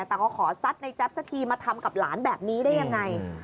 แต่ก็ขอซัดในแป๊บสักทีมาทำกับหลานแบบนี้ได้ยังไง